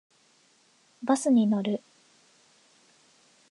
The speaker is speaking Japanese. バスに乗る。